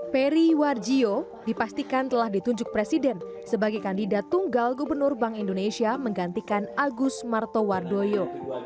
peri warjio dipastikan telah ditunjuk presiden sebagai kandidat tunggal gubernur bank indonesia menggantikan agus martowardoyo